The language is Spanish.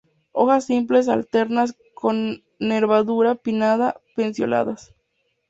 Hojas simples, alternas, con nervadura pinnada, pecioladas.